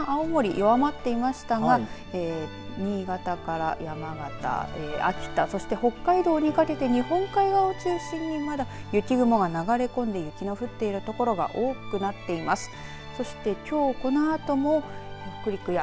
今、いったん青森弱まっていましたが新潟から山形秋田、そして北海道にかけて日本海側を中心にまだ、雪雲が流れ込んで雪の降っている所が多くなっています。